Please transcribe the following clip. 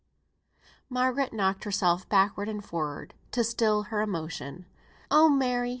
Margaret rocked herself backward and forward to still her emotion. "Oh Mary!"